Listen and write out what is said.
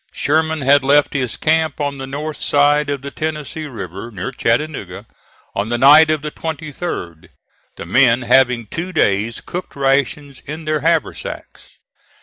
Sherman had left his camp on the north side of the Tennessee River, near Chattanooga, on the night of the 23d, the men having two days' cooked rations in their haversacks.